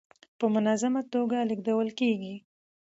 په منظمه ټوګه لېږدول کيږي.